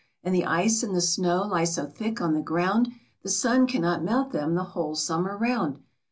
And the ice and the snow lie so thick on the ground The sun cannot melt them the whole summer round.